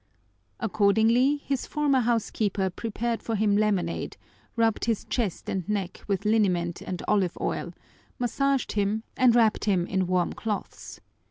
Accordingly, his former housekeeper prepared for him lemonade, rubbed his chest and neck with liniment and olive oil, massaged him, and wrapped him in warm cloths.